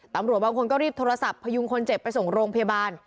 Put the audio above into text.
ตำรวจบางคนก็รีบโทรศัพท์พยุงคนเจ็บไปส่งโรงพยาบาล